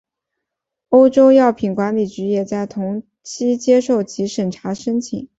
欧洲药品管理局也在同期接受其审查申请。